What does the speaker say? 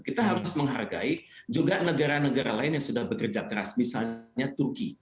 kita harus menghargai juga negara negara lain yang sudah bekerja keras misalnya turki